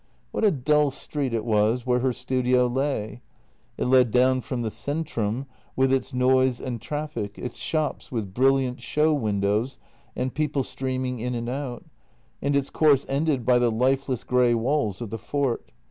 What a dull street it was where her studio lay. It led down from the centrum, with its noise and traffic, its shops with brilliant show windows and people streaming in and out, and its course ended by the lifeless grey walls of the fort.